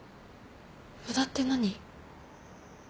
無駄って何？